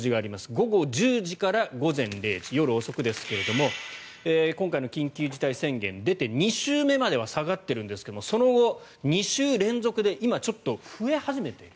午後１０時から午前０時夜遅くですけれども今回の緊急事態宣言が出て２週目までは下がっているんですがその後、２週連続で今、ちょっと増え始めている。